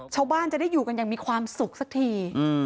ชาวบ้านจะได้อยู่กันอย่างมีความสุขสักที